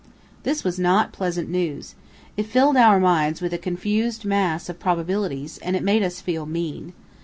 This was not pleasant news. It filled our minds with a confused mass of probabilities, and it made us feel mean.